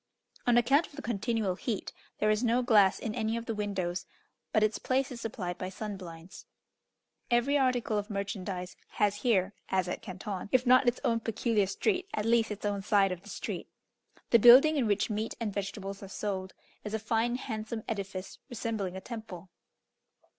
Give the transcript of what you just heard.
On account of the continual heat, there is no glass in any of the windows, but its place is supplied by sun blinds. Every article of merchandise has here, as at Canton, if not its own peculiar street, at least its own side of the street. The building in which meat and vegetables are sold, is a fine handsome edifice resembling a temple.